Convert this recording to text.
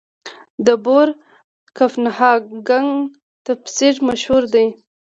د بور کپنهاګن تفسیر مشهور دی.